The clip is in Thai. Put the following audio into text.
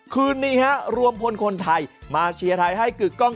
คืนนี้ฮะรวมพลคนไทยมาเชียร์ไทยให้กึกกล้อง